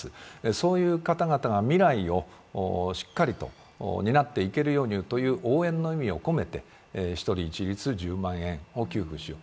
そういう方々が未来をしっかりと担っていけるようにという応援の意味を込めて一人一律１０万円を給付しよう